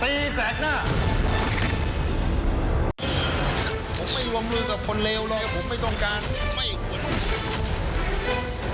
ผมไม่รวมมือกับคนเลวเลยผมไม่ต้องการไม่ควร